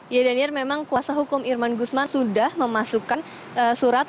ya daniel memang kuasa hukum irman gusman sudah memasukkan surat